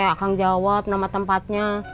akang jawab nama tempatnya